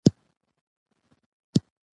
هېڅکله د منني او شکرانې طمعه مه کوئ!